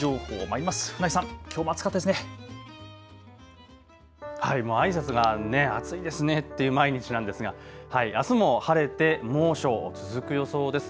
あいさつが暑いですねっていう毎日なんですが、あすも晴れて猛暑が続く予想です。